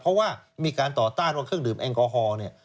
เพราะว่ามีการต่อต้านว่าเครื่องดื่มแอลกอฮอล์เนี่ย